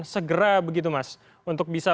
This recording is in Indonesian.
segera begitu mas untuk bisa